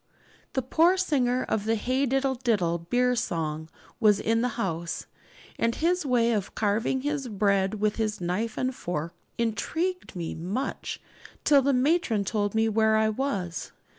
The poor singer of the 'Hey diddle diddle' beer song was in the house, and his way of carving his bread with his knife and fork 'intrigued' me much till the matron told me where I was.